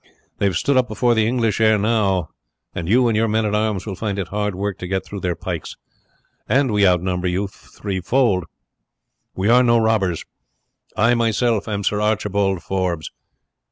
They have stood up before the English ere now; and you and your men at arms will find it hard work to get through their pikes; and we outnumber you threefold. We are no robbers. I myself am Sir Archibald Forbes."